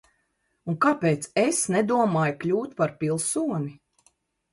Un kāpēc es nedomāju kļūt par pilsoni?